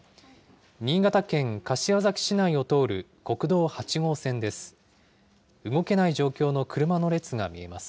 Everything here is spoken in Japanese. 新潟県柏崎市内を通る国道８号線です。